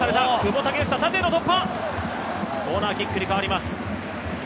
コーナーキックにかわります。